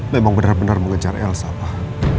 memang benar benar mengejar elsa pak